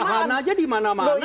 petahana aja di mana mana kampanye